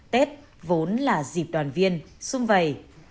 tết vốn là dịp đoàn viên sung vầy